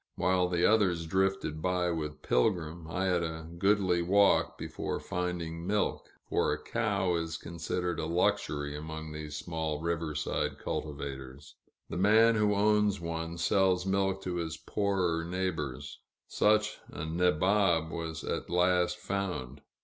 While the others drifted by with Pilgrim, I had a goodly walk before finding milk, for a cow is considered a luxury among these small riverside cultivators; the man who owns one sells milk to his poorer neighbors. Such a nabob was at last found.